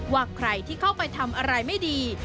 ว่าใครที่เข้าไปทำอะไรไม่ดี